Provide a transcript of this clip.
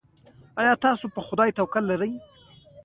ایا تاسو په خدای توکل لرئ؟